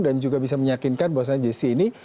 dan juga bisa menyakinkan bahwasannya jc ini